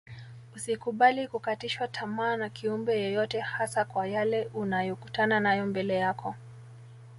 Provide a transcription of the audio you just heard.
Usikubali kukatishwa tamaa na kiumbe yeyote hasa kwa yale unayokutana nayo mbele yako